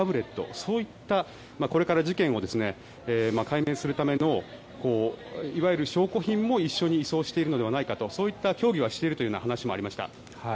そういったこれから事件を解明するためのいわゆる証拠品も一緒に移送しているのではないかとそういった協議はしているという話はありました。